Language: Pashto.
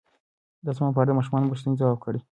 د اسمان په اړه د ماشومانو پوښتنې ځواب کړئ.